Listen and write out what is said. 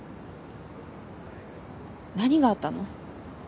何があったの？